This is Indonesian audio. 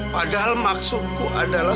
padahal maksudku adalah